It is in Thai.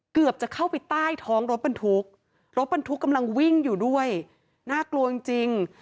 เกือบจะเข้าไปใต้ท้องรถบรรทุกรถบรรทุกกำลังวิ่งอยู่ด้วยน่ากลัวจริงจริง